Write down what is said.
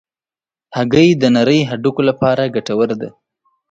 هګۍ د نرۍ هډوکو لپاره ګټوره ده.